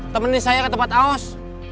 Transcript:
temenin saya ke tempat naos